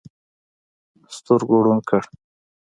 سترګو ړوند کړ.